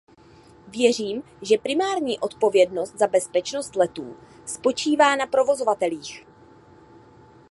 Věřím, že primární odpovědnost za bezpečnost letů spočívá na provozovatelích.